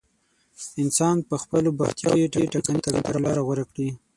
انسان په خپلو بوختياوو کې ټاکنيزه تګلاره غوره کړي.